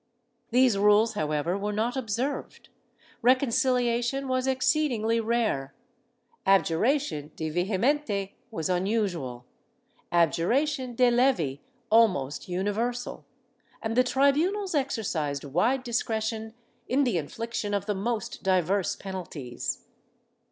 ^ These rules, however, were not observed ; reconcihation was exceed ingly rare, abjuration de vehementi was unusual, abjuration de levi almost universal, and the tribunals exercised wide discretion in the infliction of the most diverse penalties.